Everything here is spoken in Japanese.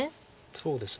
そうですね。